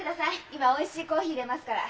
今おいしいコーヒーいれますから。